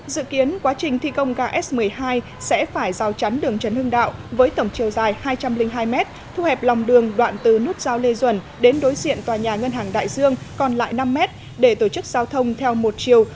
dự kiến quá trình thi công ga s một mươi hai sẽ phải rào chắn đường trần hưng đạo với tổng chiều dài hai trăm linh hai m thu hẹp lòng đường đoạn từ nút giao lê duẩn đến đối diện tòa nhà ngân hàng đại dương còn lại năm m để tổ chức giao thông theo một chiều